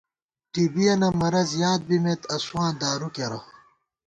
ٹِبِیَنہ مَرَض یاد بِمېت ، اسُواں دارُو کېرہ